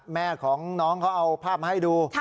แม่ของน้องเขาเอาภาพมาให้ดู